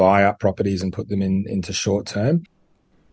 untuk pembeli beli dan menempatkannya dalam jangka pendek